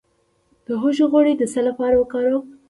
د هوږې غوړي د څه لپاره وکاروم؟